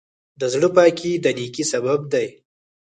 د زړۀ پاکي د نیکۍ سبب دی.